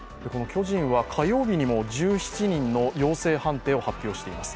巨人は火曜日にも１７人の陽性判定を発表しています。